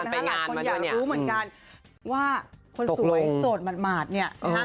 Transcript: หลายคนอยากรู้เหมือนกันว่าคนสวยโสดหมาดเนี่ยนะฮะ